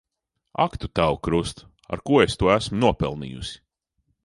Ak tu tavu krustu! Ar ko es to esmu nopelnījusi.